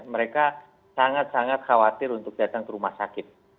mereka sangat sangat khawatir untuk datang ke rumah sakit